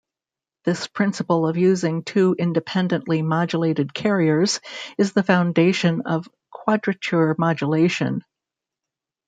This principle of using two independently modulated carriers is the foundation of quadrature modulation.